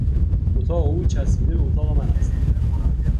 اتاق او چسبیده به اتاق من است.